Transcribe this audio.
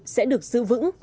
sẽ được giữ vững